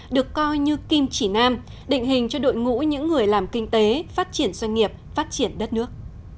được coi như kim chỉ nam định hình cho đội ngũ những người làm kinh tế phát triển doanh nghiệp phát triển đất nước